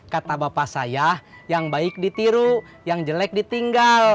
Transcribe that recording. kata bapak saya yang baik ditiru yang jelek ditinggal